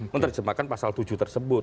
menerjemahkan pasal tujuh tersebut